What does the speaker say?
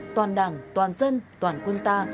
toàn đảng toàn dân toàn quân ta